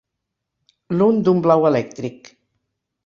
L'un d'un blau elèctric.